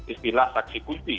istilah saksi kunci